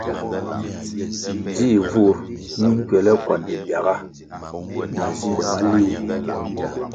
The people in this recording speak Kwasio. Dzih vur mi nkuele kuande biaga na zinde maliwuh.